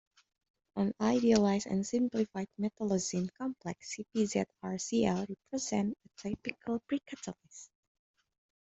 An idealized and simplified metallocene complex CpZrCl represents a typical precatalyst.